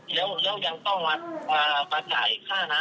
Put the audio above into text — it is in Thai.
แล้วยังต้องมาจ่ายค่าน้ำ